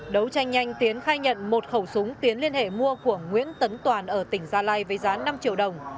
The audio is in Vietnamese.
đấu tranh nhanh tiến khai nhận một khẩu súng tiến liên hệ mua của nguyễn tấn toàn ở tỉnh gia lai với giá năm triệu đồng